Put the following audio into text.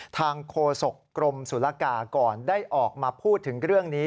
โคศกกรมศุลกาก่อนได้ออกมาพูดถึงเรื่องนี้